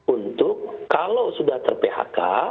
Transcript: untuk kalau sudah ter phk